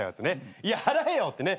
いや払えよってね。